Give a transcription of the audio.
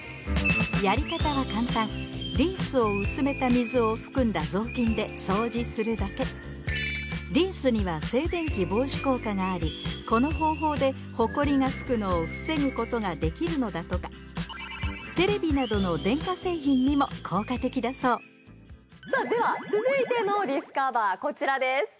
やり方は簡単リンスを薄めた水を含んだ雑巾で掃除するだけリンスには静電気防止効果がありこの方法でホコリがつくのを防ぐことができるのだとかテレビなどの電化製品にも効果的だそうさあでは続いてのディスカバーこちらです